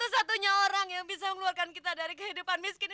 satu satunya orang yang bisa mengeluarkan kita dari kehidupan miskin